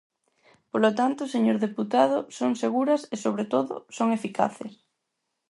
Polo tanto, señor deputado, son seguras e, sobre todo, son eficaces.